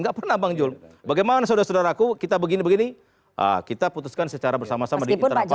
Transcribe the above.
gak pernah bang jul bagaimana saudara saudaraku kita begini begini kita putuskan secara bersama sama di internal partai